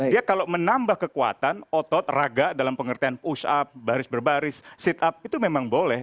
dia kalau menambah kekuatan otot raga dalam pengertian push up baris berbaris sit up itu memang boleh